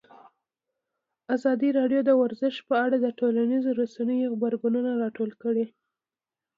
ازادي راډیو د ورزش په اړه د ټولنیزو رسنیو غبرګونونه راټول کړي.